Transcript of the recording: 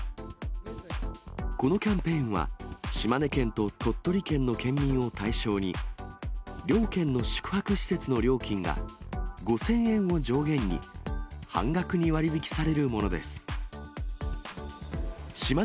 このキャンペーンは、島根県と鳥取県の県民を対象に、両県の宿泊施設の料金が、５０００円を上限に半額に割引されるものです。